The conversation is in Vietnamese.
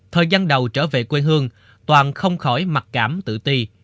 thời gian đầu trở về quê hương toàn không khỏi mặc cảm tự ti